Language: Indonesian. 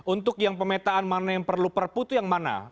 untuk yang pemetaan mana yang perlu perpu itu yang mana